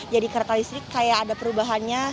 jadi kereta listrik kayak ada perubahannya